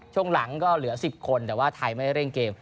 ช่วงหลังก็เหลือ๑๐คนแต่ว่าไทยไม่ได้เร่งเกม